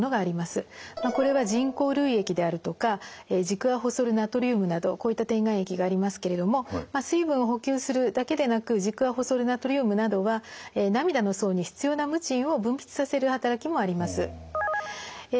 これは人工涙液であるとかジクアホソルナトリウムなどこういった点眼液がありますけれども水分を補給するだけでなくジクアホソルナトリウムなどは涙の層に必要なムチンを分泌させる働きもあります。